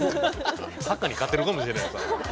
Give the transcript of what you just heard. ハカに勝てるかもしれないですよ。